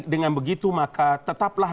dengan begitu maka tetaplah